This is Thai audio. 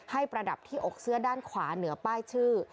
ประดับที่อกเสื้อด้านขวาเหนือป้ายชื่อ